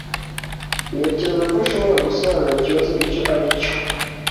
Ntekereza ko nshobora gusobanura ikibazo icyo ari cyo